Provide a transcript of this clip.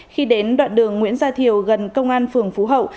khi đến đoạn đường nguyễn gia thiều gần công an phường phú hậu